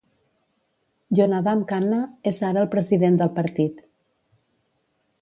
Yonadam Kanna és ara el president del partit.